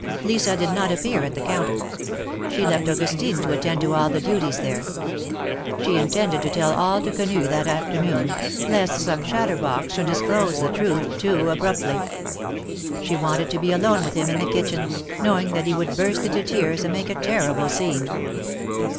Lisa did not appear at the counter. She left Augustine to attend to all the duties there. She intended to tell all to Quenu that afternoon, lest some chatterbox should dis close the truth too abruptly. She wanted to be alone with him in the kitchen, knowing that he would burst into tears and make a terrible scene.